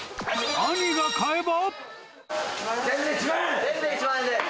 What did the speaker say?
兄が買えば。